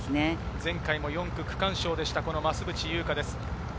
前回も４区区間賞でした、増渕祐香です。